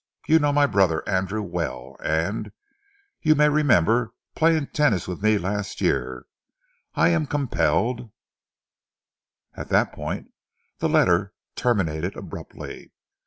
You know my brother Andrew well, and you may remember playing tennis with me last year. I am compelled At that point the letter terminated abruptly.